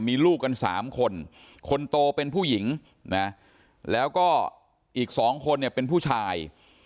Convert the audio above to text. มีลูกกัน๓คนคนโตเป็นผู้หญิงนะแล้วก็อีก๒คนเนี่ยเป็นผู้ชาย